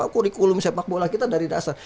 kurikulum sepak bola kita dari dasar